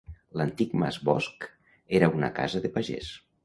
L'antic Mas Bosc era una casa de pagès.